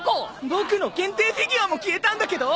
僕の限定フィギュアも消えたんだけど！？